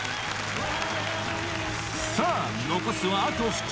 さぁ残すはあと２人